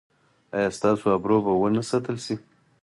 ایا ستاسو ابرو به و نه ساتل شي؟